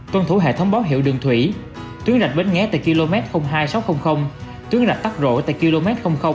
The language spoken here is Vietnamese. tuân thủ hệ thống báo hiệu đường thủy tuyến rạch bến nghé tại km hai sáu trăm linh tuyến rạch tắc rộ tại km năm trăm linh